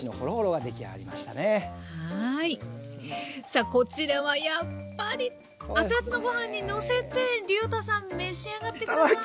さあこちらはやっぱり熱々のご飯にのせてりゅうたさん召し上がって下さい。